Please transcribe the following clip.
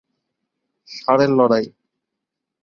ষাঁড়ের লড়াই